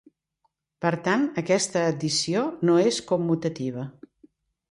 Per tant, aquesta addició no és commutativa.